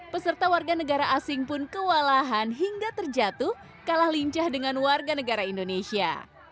peserta warga negara asing pun kewalahan hingga terjatuh kalah lincah dengan warga negara indonesia